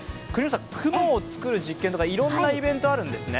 雲を作る実験とかいろんなイベントがあるんですね？